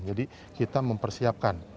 jadi kita mempersiapkan